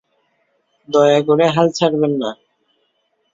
দয়া করে হাল ছাড়বেন না।